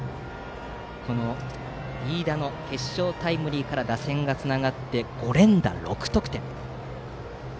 飯田の決勝タイムリーから打線がつながって５連打、６得点。